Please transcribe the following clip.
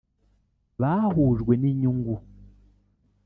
bahujwe n’inyungu